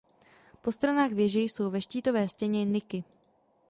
Po stranách věže jsou ve štítové stěně niky.